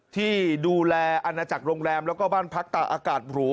ที่ดูแลอาณาจักรโรงแรมแล้วก็บ้านพักตาอากาศหรู